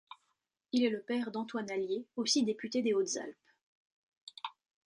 Il est le père d'Antoine Allier, aussi député des Hautes-Alpes.